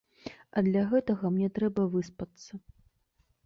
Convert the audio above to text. А для гэтага мне трэба выспацца.